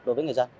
đối với người dân